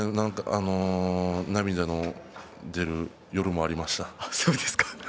涙の出る夜もありました。